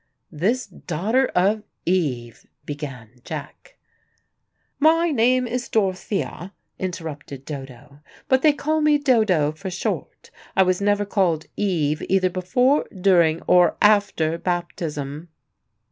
"This daughter of Eve " began Jack. "My name is Dorothea," interrupted Dodo, "but they call me Dodo for short. I was never called Eve either before, during, or after baptism."